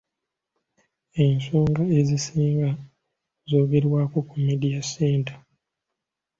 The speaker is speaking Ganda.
Ensonga ezisinga zoogerwako ku Media Centre.